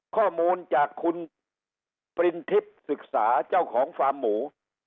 ข้อมูลจากคุณปรินทิพย์ศึกษาเจ้าของฟาร์มหมู